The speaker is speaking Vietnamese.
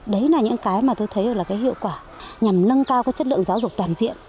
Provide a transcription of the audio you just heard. đấy là những cái mà tôi thấy là cái hiệu quả nhằm nâng cao cái chất lượng giáo dục toàn diện